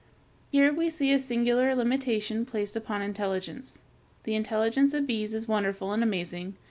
Here we see a singular limitation placed upon intelligence. The intelligence of bees is wonderful and amazing.